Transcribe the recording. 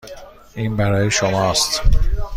این برای شماست.